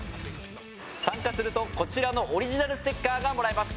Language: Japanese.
参加するとこちらのオリジナルステッカーがもらえます。